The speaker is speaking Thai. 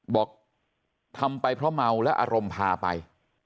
บอกทำไปเพราะเมาและอารมณ์พาไป